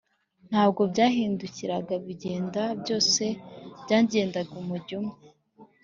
Ntabwo byahindukiraga bigenda, byose byagendaga umujyo umwe